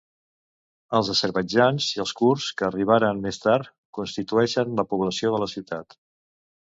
Els azerbaidjans i els kurds que arribaren més tard constitueixen la població de la ciutat.